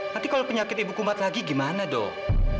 nanti kalau penyakit ibu kumat lagi gimana dong